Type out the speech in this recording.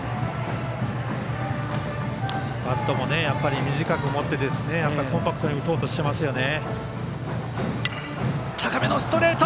バットも短く持ってコンパクトに打とうとしてますね。